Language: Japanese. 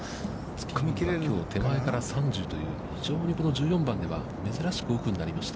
きょうは手前から３０という１４番は珍しく奥になりました。